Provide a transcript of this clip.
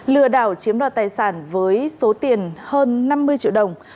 lừa đảo chiếm đoạt tài sản với số tiền hơn năm mươi triệu đồng